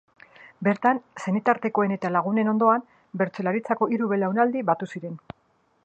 Bertan, senitartekoen eta lagunen ondoan, bertsolaritzako hiru belaunaldi batu ziren.